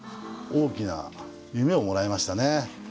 大きな夢をもらいましたね。